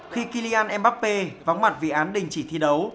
khi kylian mbappé vắng mặt vì án đình chỉ thi đấu